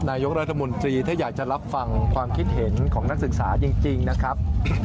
นายกรัฐมนตรีถ้าอยากจะรับฟังความคิดเห็นของนักศึกษาจริงนะครับ